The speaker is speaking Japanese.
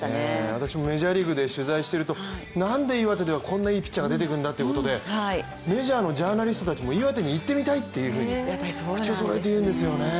私もメジャーリーグで取材しているとなんで岩手ではこんないいピッチャーが出てくるんだということで、メジャーのジャーナリストも岩手に行ってみたいって、口をそろえて言うんですよね。